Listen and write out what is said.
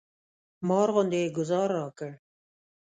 مار غوندې یې ګوزار راکړ.